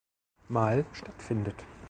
Mal stattfindet.